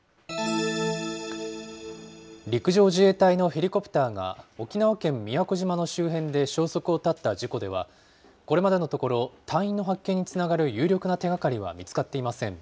陸上自衛隊のヘリコプターが、沖縄県宮古島の周辺で消息を絶った事故では、これまでのところ、隊員の発見につながる有力な手掛かりは見つかっていません。